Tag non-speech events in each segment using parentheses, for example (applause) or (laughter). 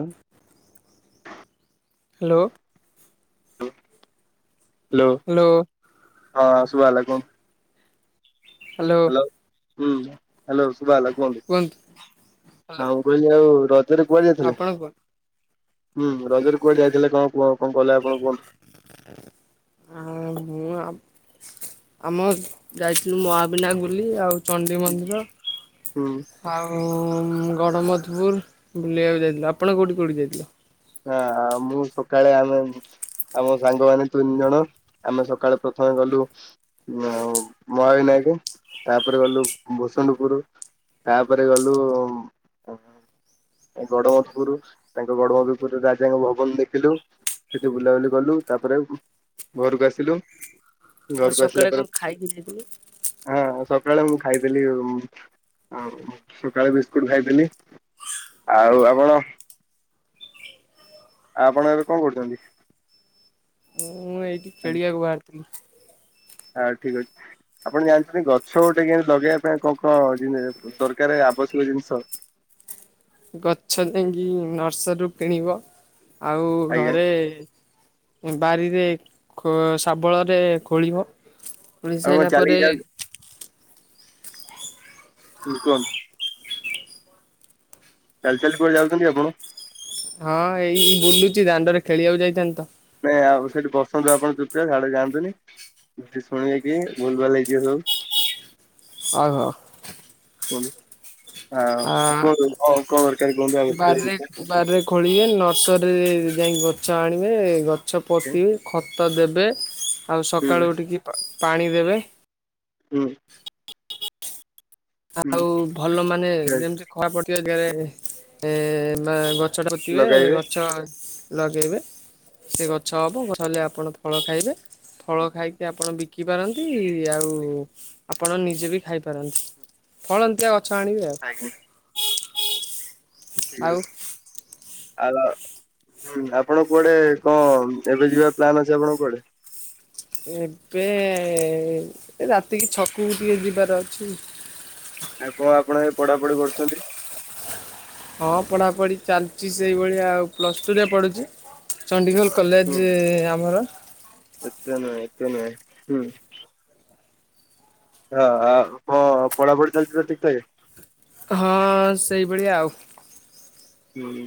ଉଁ। Hello. Hello hello ହଁ। ତୁ ହାଲୋ କୋଉନ୍ ହାଲୋ। ହୁଁ ହାଲୋ। ତୁ ହାଲୋ କୁହନ୍ତୁ। ହ୍ୟାଲୋ ଆଉ କହିଲି ଆଉ ର ତରେ କୁଆ ଯାଇଥିଲେ? ଆପଣ କୁହନ୍ତୁ। ଉଁ ରଜରେ କୁଆଡ଼େ ଯାଇଥିଲେ କଣ କୁଅ କଣ କହିଲେ ଆ ଆ ମୁଁ ଆମ୍ ଆମ ଯାଇଥିଲୁ ମହାବିନାୟକ ବୁଲି ଆଉ ଚଣ୍ଡି ମନ୍ଦିର ହୁଁ ଆଉ ଉଁ ଗଡମଧୁପୁର ବୁଲିଆକୁ ଯାଇଥିଲୁ। ଆପଣ କୋଉଠି କୋଉଠି ଯାଇଥିଲେ? ଆ ମୁଁ ସକାଳେ ଆମେ ଆମ ସାଙ୍ଗମାନେ ତିନି ଜଣ ଆମେ ସକାଳୁ ପ୍ରଥମେ ଗଲୁ ଉଁ ମହାବିନାୟକ ତାପରେ ଗଲୁ ଭୂସଣ୍ଡପୁରୁ ତାପରେ ଗଲୁ ଉଁ ଗଡମଧୁପୁର ତାଙ୍କ ଗଡମଧୁ ପୁରୁ ରାଜାଙ୍କ ଭବନ ଦେଖିଲୁ। ସେଠି ବୁଲାବୁଲି କଲୁ ତାପରେ ଘରୁକୁ ଆସିଲୁ। ଆଉ ଘରକୁ ଆସିଲା ସକାଳେ ପରେ କଁ ଖାଇକି ଯାଇଥିଲେ? ହଁ ସକାଳେ ମୁଁ ଖାଇଥିଲି ଉଁ-ଉଁ ସକାଳେ ବିସ୍କୁଟ ଖାଇଥିଲି ଆଉ ଆପଣ ଆ ଆପଣ ଏବେ କଁ କରୁଚନ୍ତି? ମୁଁ ଏଇଠି ଖେଳିବାକୁ ବାହାରିଥିନି। ଆଉ ଠିକ ଅଛି ଆପଣ ଜାଣିଚନ୍ତି ଗଛ ଗୋଟେ କେନ୍ତି ଲଗେଇବା ପାଇଁ କଁ କଁ ଯେନ୍ତି ଦରକାରେ ଆବଶ୍ୟକ ଜିନିଷ? ଗଛ ଦେଇକି ନର୍ସରୀରୁୁ କିଣିବ। ଆଉ ଆଜ୍ଞା ଘରେ ବାରିରେ ଖୋ ଶାବଳରେ ଖୋଳିବ। ଖୋଳି ଆପଣ କଣ ସାଇଲା ଚାଲିକି ପରେ ଯାଉ ଉଁ କନ୍ ଚାଲି ଚାଲି କୁଆଡ଼େ ଯାଉଛନ୍ତି ଆପଣ? ହଁ ଏଇ ବୁଲୁଚି ଦାଣ୍ଡରେ ଖେଳିବାକୁ ଯାଇଥାନ୍ତି ତ। ନାଇଁ ଆଉ ସେଠି ବସନ୍ତୁ ଆପଣ ଚୁପଚାପ୍ ହ୍ୟାଡେ ଯାଆନ୍ତୁନି। ହେଠି ଶୁଣିବେ କିଏ ଭୁଲ୍ ଭାଲ୍ ହେଇଯିବ ସବୁ। ଆଉ ହୋ। ଟୁଣି ଆ କଣ କଣ ଦରକାର କୁହନ୍ତୁ ଆବଶ୍ୟକ ବାରିରେ ଜିନିଷ ବାରିରେ ଖୋଳିବେ ନର୍ସରୀରେ ଯାଇକି ଗଛ ଆଣିବେ ଗଛ ଗଛ ପୋତିକି ଖତ ଖତ ଦେବେ ଆଉ ହୁଁ ସକାଳୁ ଉଠିକି ପା ପାଣି ଦେବେ ହୁଁ। ହୁଁ ଆଉ ଭଲ ମାନେ ଠିକ ଯେମିତି ଅଛି ଖରା ପଡିଥିବା ଆଜି କାଳେ ଏ ନା ଗ ଗଛ ଟା ପୋତିିବେ ଲଗାଇବେ ଗଛ ଲଗେଇବେ ସେ ଗଛ ହବ ଗଛ ହେଲେ ଆପଣ ଫଳ ଖାଇବେ ଫଳ ଖାଇକି ଆପଣ ବିକି ପାରନ୍ତି ଆଉ ଆପଣ ନିଜେ ବି ଖାଇପାରନ୍ତି। ଫଳନ୍ତିଆ ଗଛ ଗଛ ଆଣିବେ ଆଉ। ଠିକ୍ ଆଉ ଅଛି। ଆଉ ହୁଁ ଆପଣ କୁଆଡେ କଣ ଏବେ ଯିବା ପ୍ଲାନ୍ ଅଛି ଆପଣଙ୍କର କୁଆଡେ? ଏବେ ରାତିକି ଛକକୁ ଟିକେ ଯିବାର ଅଛି। ଆଉ କଣ ଆପଣ ଏବେ ପଢା ପଢି କରୁଛନ୍ତି? ହଁ ପଢାପଢି ଚାଲିଛି ସେଇଭଳିଆ ଆଉ ପ୍ଲସ୍ ଟୁ ରେ ପଢୁଛି ଚଣ୍ଡିଖୋଲ କଲେଜ୍ ହୁଁ ଆମର। ଏତେ ନୁହେଁ ଏତେ ନୁହେଁ ହୁଁ। ହଁ ଆ ହଁ ପଢା ପଢି ଚାଲିଛି ତ ଠିକ୍ ଠାକ୍। ହଁ ସେଇଭଳିଆ ଆଉ। ହୁଁ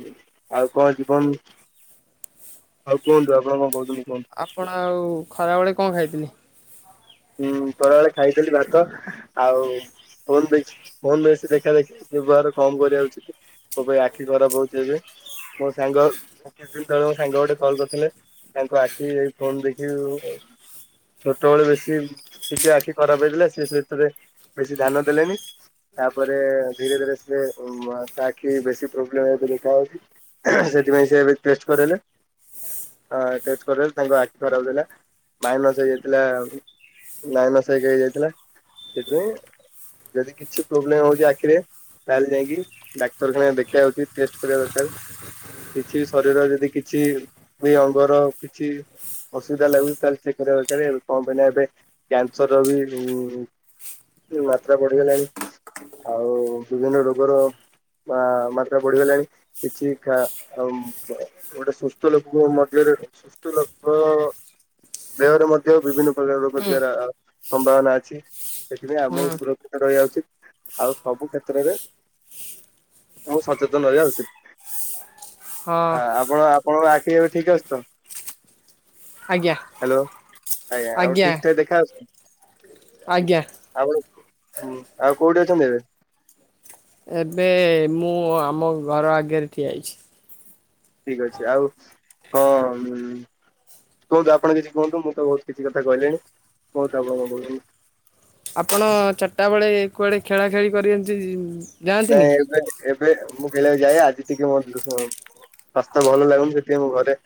ଆଉ କଣ ଜୀବନ ଆଉ କୁହନ୍ତୁ ଆପଣ କଣ କହୁଛନ୍ତି। କୁହନ୍ତୁ? ଆପଣ ଆଉ ଖରାବେଳେ କଣ ଖାଇଥିଲେ? ହୁଁ। ଖରାବେଳେ ଖାଇଥିଲି ଭାତ ଆଉ ଫୋନ୍ ଦେଖି ଫୋନ୍ ବେଶୀ ଦେଖା ଦେଖି ବ୍ୟବହାର କମ୍ କରିବା ଉଚିତ୍ ମୋବାଇଲରେ ଆଖି ଖରାପ ହଉଛି ଏବେ ମୋ ସାଙ୍ଗ କିଛି ଦିନ ତଳେ ମୋ ସାଙ୍ଗ ଗୋଟେ କଲ୍ କରିଥିଲେ ତାଙ୍କ ଆଖି ଏ ଫୋନ୍ ଦେଖି ଛୋଟବେଳେ ବେଶୀ ସି ଟିକିଏ ଆଖି ଖରାପ ହେଇଥିଲା ସିଏ ସେଥିରେ ବେଶୀ ଧ୍ୟାନ ଦେଲେନି ତାପରେ ଧୀରେ ଧୀରେ ସିଏ ତା ଆଖି ବେଶୀ ପ୍ରୋବ୍ଲେମ୍ ହେଇ ଦେଖା ହେଉଛି ସେଥିପାଇଁ ସିଏ ଏବେ ଟେଷ୍ଟ୍ କରେଇଲେ ଟେଷ୍ଟ୍ କରେଇଲେ ତାଙ୍କ ଆଖି ଖରାପ ଥିଲା ମାଇନସ୍ ହେଇଯାଇଥିଲା। ମାଇନସ୍ ହେଇଯାଇଥିଲା ସେଥିପାଇଁ ଯଦି କିଛି ପ୍ରୋବ୍ଲେମ୍ ହଉଛି ଆଖିରେ ତାହଲେ ଯାଇକି ଡାକ୍ତରଖାନା ଦେଖେଇବା ଉଚିତ୍ ଟେଷ୍ଟ୍ କରିବା ଦରକାର କିଛି ଶରୀର ଯଦି କିଛି ବି ଅଙ୍ଗର କିଛି ଅସୁବିଧା ଲାଗୁଛି ତାହଲେ ଚେକ୍ କରିବା ଦରକାର କମ୍ କାଇଁ ନା ଏବେ କ୍ୟାନ୍ସର ବି ମାତ୍ରା ବଢିଗଲାଣି ଆଉ ବିଭିନ୍ନ ରୋଗର ମାତ୍ରା ବଢିଗଲାଣି କିଛି ଆ ଗୋଟେ ସୁସ୍ଥ ଲୋକଙ୍କୁ ମଧ୍ୟରେ ସୁସ୍ଥ ଲୋକ ଦେହରେ ମଧ୍ୟ ବିଭିନ୍ନ ରୋଗ ହୁଁ ଥିବାର ସମ୍ଭାବନା ଅଛି ସେଥିପାଇଁ ହୁଁ ଆମକୁ ସୁରକ୍ଷିତ ରହିବା ଉଚିତ ଆଉ ସବୁ କ୍ଷେତ୍ରରେ ଆମକୁ ସଚେତନ ରହିବା ଉଚିତ। ହଁ ହାଁ ଆପଣ ଆ ଆପଣଙ୍କର ଆଖି ଏବେ ଠିକ୍ ଅଛି ତ? ଆଜ୍ଞା। ହ୍ୟାଲୋ ଆଜ୍ଞା ଆଉ ଆଜ୍ଞା ଠିକ୍ ଠାକ୍ ଦେଖାଯାଉଛି ନା? (unintelligible) ଆଜ୍ଞା। ହୁଁ ଆଉ କୋଉଠି ଅଛନ୍ତି ଏବେ? ଏବେ ମୁଁ ଆମ ଘର ଆଗରେ ଠିଆ ହେଇଛି। ଠିକ୍ ଅଛି ଆଉ ହଁ କୁହନ୍ତୁ ଆପଣ କିଛି କୁହନ୍ତୁ ମୁଁ ତ ବହୁତ କିଛି କଥା କହିଲିଣି କୁହନ୍ତୁ ଆପଣ କଣ କହୁଛନ୍ତି। ଆପଣ ଚାରିଟା ବେଳେ କୁଆଡ଼େ ଖେଳାଖେଳି କରନ୍ତି । ନାଇଁ ଏବେ ଏବେ ମୁଁ ଖେଳିବାକୁ ଯାଏ ଆଜି ଟିକେ ମୋ ଦେହ ସ୍ୱାସ୍ଥ୍ୟ ଭଲ ଲାଗୁନି ସେଥିପାଇଁ ମୁଁ ଘରେ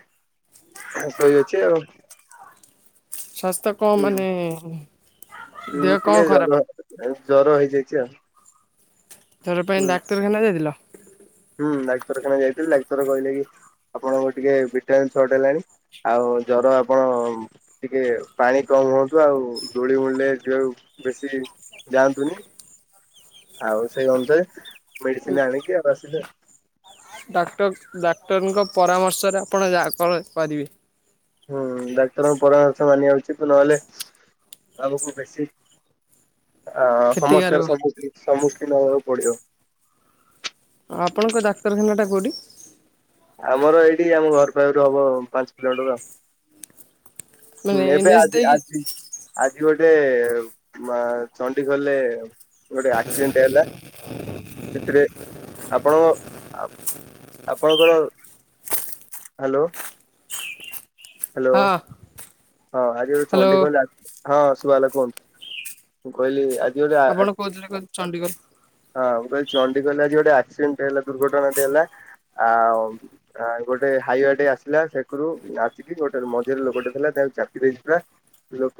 ଶୋଇଅଛି ଆଉ। ସ୍ୱାସ୍ଥ୍ୟ କଣ ହୁଁ ମାନେ ଦେହ ହୁଁ କଣ ଟିକେ ଖରାପ? ଜର ଜର ହେଇଯାଇଛି। ଆଛା। ଜର ପାଇଁ ଡାକ୍ତରଖାନା ଯାଇଥିଲ? ହୁଁ ଡାକ୍ତରଖାନା ଯାଇଥିଲି ଡାକ୍ତର କହିଲେ କି ଆପଣଙ୍କର ଟିକେ ଭିଟାମନ୍ ସଟ ହେଲାଣି ଆଉ ଜର ଆପଣ ଟିକେ ପାଣି କମ ହୁଅନ୍ତୁ ଆଉ ଧୂଳି ମୂଳିରେ ବେଶୀ ଯାଆନ୍ତୁନି ଆଉ ସେଇ ଅନୁସାରେ ମେଡିସିନ ଆଣିକି ଆସିଲୁ ଆଉ ଡାକ୍ତର ଡାକ୍ତରଙ୍କ ପରାମର୍ଶରେ ଆପଣ ଯା କଣ କରିବେ। ହୁଁ ଡାକ୍ତରଙ୍କ ପରାମର୍ଶ ମାନିବା ଉଚିତ ନହେଲେ ଆମକୁ ବେଶୀ ଅ କ୍ଷତିକାରକ। ସମସ୍ୟାର ସବୁକିଛି ସମ୍ମୁଖୀନ ପଡ଼ିବ। ଆପଣଙ୍କ ଡାକ୍ତରଖାନାଟା କଉଠି? ଆମର ଏଇଠି ଆମ ଘର ପାଖରୁ ହବ ପାଞ୍ଚ କିଲୋମିଟର ଆଉ। ମାନେ ମେ ଏନ୍ ବି ଏଚ୍ ଆଜି ଦେଇକି ଆଜି ଆଜି ଗୋଟେ ମା ଚଣ୍ଡି ଗଲେରେ ଗୋଟେ ଆକ୍ସିଡେଣ୍ଟ ହେଲା। ସେଥିରେ ଆପଣଙ୍କ ଆପ ଆପଣଙ୍କର ହ୍ୟାଲୋ। ହ୍ୟାଲୋ ହଁ। ହଁ ଆଜି ଗୋଟେ ହ୍ୟାଲୋ ଚଣ୍ଡୀଖେଲ ହଁ ଶୁଭାଗଲା କୁହ ମୁ କହିଲି ଆଜି (inaudible) ଆପଣ କହୁଥିଲେ କ ଚଣ୍ଡିଖୋଲ ଆଉ। ଚଣ୍ଡିଗଲାଜି ଗୋଟେ ଆକ୍ସିଡେଣ୍ଟ ହେଲା ଦୁର୍ଘଟଣା େ ହେଲା ଆଉ ଗୋଟେ ହାଇୱେ ଟ ଆସିଲା ସେଥିରୁ ଗୋଟେ ମଝିରେ ଲୋକ ଟେ ଥିଲା ଦେନ୍ ଚାପି ଦେଇଥିଲା ସେ ଲୋକ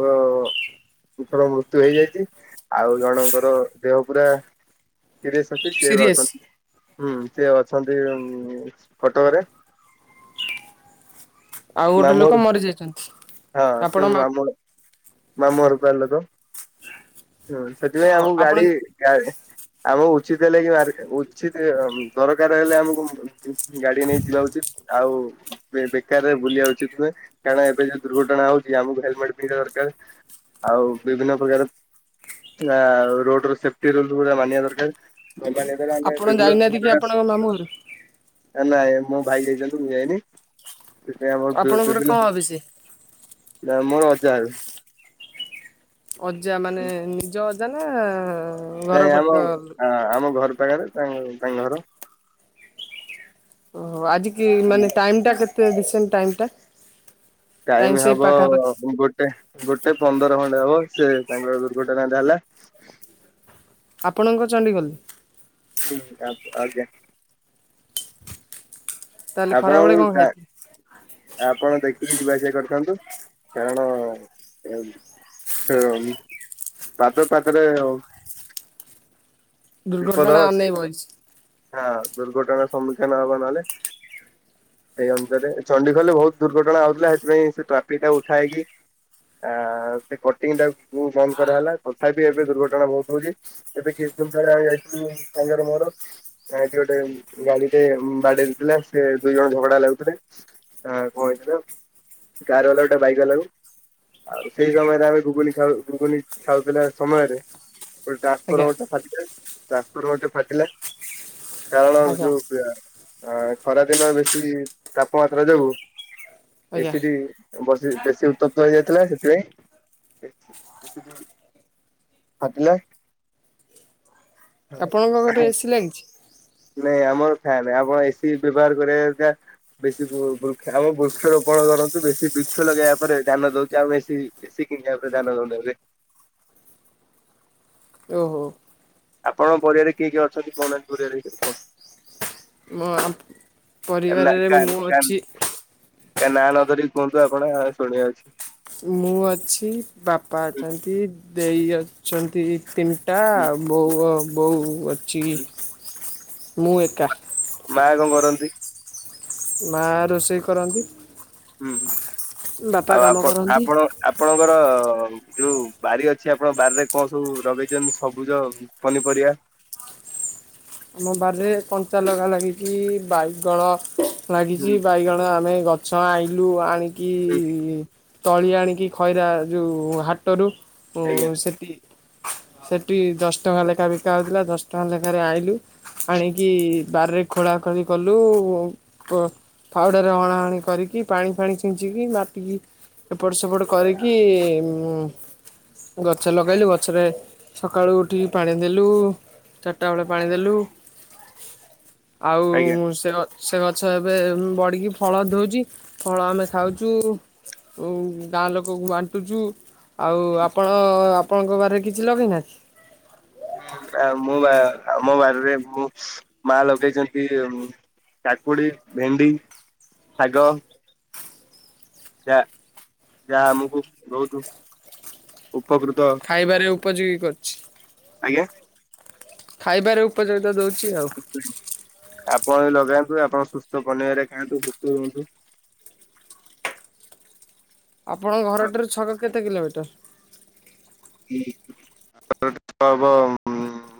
ଲୋକର ମୃତ୍ୟୁ ହେଇଯାଇଛି ଆଉ ଜଣଙ୍କର ଦେହ ପୁରା ସିରିସେ ଅଛି ଏବେ ସିରିଏସ୍ ଅଛତ୍ନି। ହୁଁ ସିଏ ଅଛନ୍ତି ହୁଁ କଟକରେ। ଆଉ ଗୋଟେ ମାମୁଁ ଘର ଲୋକ ମରି ଯାଇଛନ୍ତି। ହଁ ସେ ମାମୁ ମାମୁର୍ (unintelligible) ହୁଁ ସେଥିପାଇଁ ହଁ ଆମକୁ ଆପଣ ଗାଡି ଗାଡ। ଆଉ ଉଚିତ୍ ହେଲେ କି ଉଚିତ ଦରକାର ହେଲେ ଆମକୁ ଗାଡି ନେଇ ଯିବା ଉଚିତ ଆଉ ବେ ବେକାରରେ ବୁଲିବା ଉଚିତ ନୁହେଁ କାରଣ ଏବେ ଯଦି ଦୁର୍ଘଟଣା ହଉଛି ଆମକୁ ହେଲମେଟ ପିନ୍ଧିବା ଦରକାର ଆଉ ବିଭିନ୍ନ ପ୍ରକାର ରୋଡ ର ସେ ରଲା ମାନିବା ଦରକାର। ଫୁଲବାଣୀ ଗଲେ ଆମେ ଆପଣ ବିଭିନ୍ନ ଯାଇନାହାନ୍ତି କି ହେଲା ଆପଣଙ୍କ ମାମୁଁ ଘରୁ ଆଉ ମୋ ଭାଇ ଯାଇଛନ୍ତି ମୁଁ ଯାଇନି। ସେଥିପାଇଁ ଆମର ବି ଆପଣଙ୍କର ବିଭିନ୍ନ କଣ ହେବେ ସିଏ? ମୋର ଅଜା ହେବେ। ଅଜା ମାନେ ନିଜ ଅ ଅଜା ନା ଘର ନାଇଁ ପାଖ ଆମ ଆମ ଘର ପାଖରେ ତା (unintelligible) ତାଙ୍କ ଘର । ଓହୋ ଆଜିିକ କି ମାନେ ଟାଇମ ଟା କେତେ? (inaudible) ଟାଇମ୍ ଟା? ଟାଇମ ସେଇ ହବ ପାଖାପାଖି ଗୋଟେ। ଗୋଟେ ପନ୍ଦର ଖଣ୍ଡେ ହବ, ସେ ତାଙ୍କର ଦୁର୍ଘଟଣାଟା ହେଲା। ଆପଣଙ୍କ ଚଣ୍ଡିଖୋଲ? (unintelligible) ହୁଁ। ଆପ ଆଜ୍ଞା। ତାହେଲେ ଆପଣ ଖରାବେଳେ କଣ (unintelligible) ଖାଇଥିଲେ? ଆପଣ ଦେଖି ଦେଖିକି ଯିବା ଆସିବା କରିଥାନ୍ତୁ? କାରଣ ଆ ଉମ୍ ପାଦ ପାଦରେ (unintelligible) ଦୁର୍ଘଟଣା ଅନେଇ ବଇଛି। ହଁ ଦୁର୍ଘଟଣ ସମ୍ମୁଖୀନ ହବ ନହେଲେ। ସେଇ ଅଞ୍ଚରେ ଚଣ୍ଡିଖୋଲ ରେ ବୋହୁତ ଦୁର୍ଘଟଣା ହଉଥିଲା। ସେଥିପାଇଁ ସେ ଟ୍ରାଫିକ ଟା ଉଠା ହେଇକି, ଆ ସେ କଟିଂ ଟା ବନ୍ଦ କରାହେଲା। ତଥାପି ଏବେ ଦୁର୍ଘଟଣା ବହୁତ ହଉଛି। ଏବେ କିଛି ଦିନ ତଳେ ଆମେ ଯାଇଥିଲୁ ସାଙ୍ଗର ମୋର। ଆ ଏଇଠି ଗୋଟେ ଗାଡିଟେ ବାଡେଇ ଦେଇଥିଲା। ସେ ଦୁଇ ଜଣ ଝଗଡା ଲାଗୁଥିଲେ। କଣ ହେଇଥିଲା? କାର ବାଲା ଗୋଟେ ବାଇକ ବାଲାକୁ ଆଉ ସେଇ ସମୟରେ ଆମେ ଘୁଗୁନି ଖାଉ, ଘୁଗୁନି ଖାଉଥିଲା ସମୟରେ ଟ୍ରାନ୍ସଫର୍ମର ଆଜ୍ଞା। (unintelligible) ଟ୍ରାନ୍ସଫର୍ମର ଗୋଟେ ଫାଟିଲା। କାରଣ ବି ଆଜ୍ଞା। ଯୋଉ (unintelligible) ହ ଖରା ଦିନ ବେଶୀ ତାପମାତ୍ରା ଯୋଗୁଁ ଆଜ୍ଞା। ଏସିଡି ବସି ବେଶୀ ଉତ୍ତପ୍ତ ହେଇଯାଇଥିଲା। ସେଥିପାଇଁ (unintelligible) ଫାଟିଲା- ଆପଣଙ୍କ ଘରେ ଏସିି ଲାଗିଛି? ନାଇଁ ଆମର ଫ୍ୟାନ୍ ଆମ ଏସିି ବ୍ୟବହାର କରିବା (unintelligible) ବେଶୀ ବୃକ୍ଷ ଆମ ବୃକ୍ଷରୋପଣ କରନ୍ତୁ। ବେଶୀ ବୃକ୍ଷ ଲଗେଇବା ପରେ ଧ୍ୟାନ ଦଉଛି। ଆମେ ଏସି ଏସିି କିଣିବା ପରେ ଧ୍ୟାନ ଦଉନୁ ଏବେ। ଓହୋ। ଆପଣଙ୍କ ପରିବାର କିଏ କିଏ ଅଛନ୍ତି କହୁନାହାନ୍ତି ପରିବାର ଭିତରେ କୁହନ୍ତୁ? ମୋ ପରିବାରରେ ମୁଁ ଅଛି କାହା ନାଆ ନ ଧରିକି କୁହନ୍ତୁ ଆପଣ ଶୁଣିବା (unintelligible) ଅଛି। ମୁଁ ଅଛି ବାପା ଅଛନ୍ତି ଦେଇ ଅଛନ୍ତି ତିନିଟା ବୋଉ ଆ ବୋଉ ଅଛି। ଛି ମୁଁ ଏକା ମା କଣ କରନ୍ତି? ମା ରୋଷେଇ କରନ୍ତି। ହୁଁ ବାପା ଆଉ କାମ ଆପଣ କରନ୍ତି। ଆପଣ ଆପଣଙ୍କର ହ ଯୋଉ ବାରି ଅଛି ଆପଣଙ୍କ ବାରିରେ କଣ ସବୁ ଲଗେଇଛନ୍ତି ସବୁଜ ପନିପରିବା? ଆମ ବାରିରେ କଞ୍ଚା ଲଗା ଲାଗିଛି ବାଇଗଣ ଲାଗିଛି ହୁଁ ବାଇଗଣ ଆମେ ଗଛ ସ ଲୁ ଆଣିକିଇ ତଳି ଆଣିକି ଖଇରା ଯେଉଁ ହାଟରୁ ଓ ଆଜ୍ଞା ସେଠି ସେଠି ଦଶ ଟଙ୍କା ଲେଖା ବିକା ହଉଥିଲା ଦଶ ଟଙ୍କା ଲେଖାରେ ଆଇଲୁ ଆଣିକି ବାରିରେ ଖୋଳା ଖୋଳି କଲୁ ଫଉଡ଼ରରେ ଅଣାହଣି କରିକି ପାଣି ଫାଣି ଛିଞ୍ଚିକି ମାଟିକି ଏପଟ ସେପଟ କରିକି, ଗଛ ଲଗାଇଲୁ ଗଛରେ ସକାଳୁ ଉଠିକି ପାଣି ଦେଲୁ, ଚାରିଟା ବେଳେ ପାଣି ଦେଲୁ ଆଉ ଆଜ୍ଞା ମୁଁ ସେ ସେ ଗଛ ଏବେ ବଢିକି ଫଳ ଧଉଛି, ଫଳ ଆମେ ଖାଉଛୁ, ଗାଁ ଲୋକକୁ ବାଣ୍ଟୁଛୁ। ଆଉ ଆପଣ ଆପ ଆପଣଙ୍କ ବାରିରେ କିଛି ଲଗେଇନା କି? ହଁ ମୁଁ ବା ଆମ ବାରରେ ମୁଁ ମା ଲଗେଇଛନ୍ତି। କାକୁଡି ଭେଣ୍ଡି ଶାଗ ଯା ଯାହା ଆମକୁ ବହୁତ ଉପକୃତ ଖାଇବାରେ ଉପଯୋଗୀ କରୁଛି। ଆଜ୍ଞା ଖାଇବାରେ ଉପଯୋଗ ଆପଣ ଲଗାନ୍ତୁ। ଆପଣ ସୁସ୍ଥ ପନିପରିବା ଖାଆନ୍ତୁ ସୁସ୍ଥ ରୁହନ୍ତୁ। ଆପଣଙ୍କ ଘରଟାରୁ ଛକ କେତେ କିଲୋମିଟର? (unintelligible)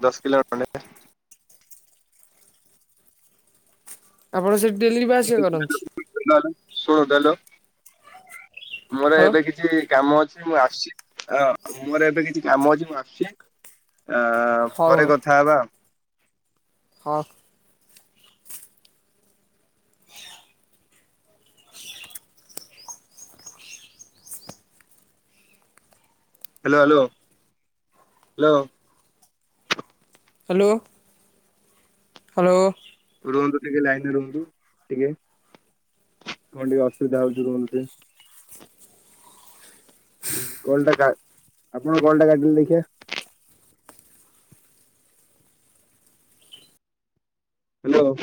ଦଶ କିଲୋ ଖଣ୍ଡେ। ଆପଣ ସେଠି ଡେଲିଯିବା ଆସିବା କରନ୍ତି। ଶୁଣନ୍ତୁ, ହାଲୋ। ମୋର ହ୍ୟାଲୋ ଏବେ କିଛି କାମ ଅଛି। ମୁଁ ଆସୁଛି ମୋର ଏବେ କିଛି କାମ ଅଛି ମୁଁ ଆସୁଛି। ଆ ପରେ କଥା ହେବା। ହଁ। Hello hello hello hello. Hello. ରୁହନ୍ତୁ ଟିକେ ଲାଇନରେ ରୁହନ୍ତୁ। ଟିକେ କଣ ଟିକେ ଅସୁବିଧା ହଉଛି ରୁହନ୍ତୁ। କଲଟା ଆପଣ କଲଟା କାଟିଲେ ଦେଖିବା ହାଲୋ।